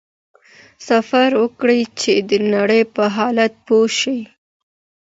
سفر وکړه چي د نړۍ په حال پوه شې.